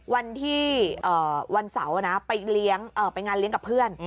วันที่วันเสาร์ไปงานเลี้ยงกับเพื่อน